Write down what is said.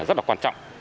rất là quan trọng